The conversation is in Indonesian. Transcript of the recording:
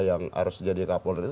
yang harus jadi kapolri